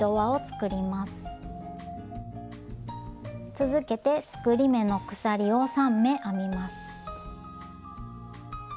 続けて作り目の鎖を３目編みます。